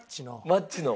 マッチの？